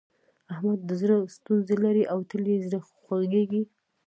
احمد د زړه ستونزې لري او تل يې زړه خوږېږي.